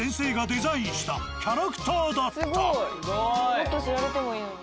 もっと知られてもいいのに。